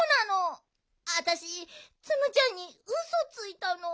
あたしツムちゃんにウソついたの。